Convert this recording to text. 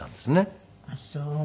あっそう。